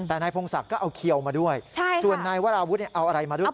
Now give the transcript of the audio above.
แต่นายพงศักดิ์ก็เอาเขียวมาด้วยส่วนนายวราวุฒิเอาอะไรมาด้วย